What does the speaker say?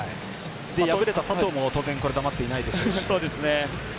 敗れた佐藤も当然黙っていないでしょうね。